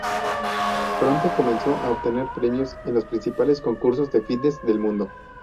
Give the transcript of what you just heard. Pronto comenzó a obtener premios en los principales concursos de fitness del mundo.